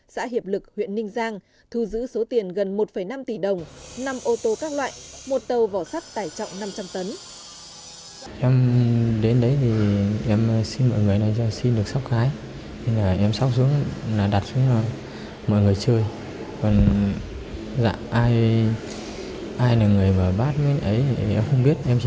xã hiệp lực huyện ninh giang thu giữ số tiền gần một năm tỷ đồng năm ô tô các loại một tàu vỏ sắt tải trọng năm trăm linh tấn